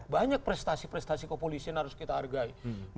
banyak prestasi prestasi kepolisian harus kita hargai